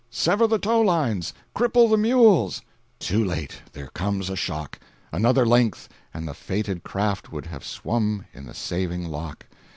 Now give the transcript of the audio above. "Sever the tow line! Cripple the mules!" Too late! There comes a shock! Another length, and the fated craft Would have swum in the saving lock!